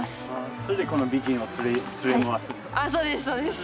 それでこの美人を連れ回すんですか？